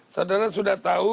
saudara sudah tahu